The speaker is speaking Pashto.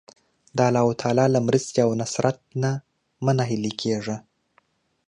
د الله تعالی له مرستې او نصرت نه مه ناهیلی کېږه.